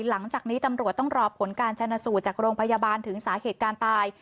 หลังจากนี้ตำรวจต้องรอผลการชนะสูตรจากโรงพยาบาลถึงสาเหตุการตาย